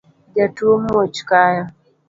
Jatuo muoch kayo